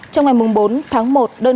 trong ngày bốn tháng một